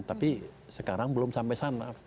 tapi sekarang belum sampai sana